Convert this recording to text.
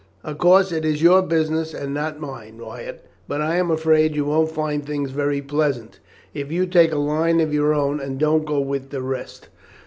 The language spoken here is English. "Of course it is your own business and not mine, Wyatt; but I am afraid you won't find things very pleasant if you take a line of your own and don't go with the rest."